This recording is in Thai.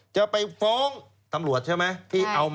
จะไปฟ้องตำรวจใช่ไหม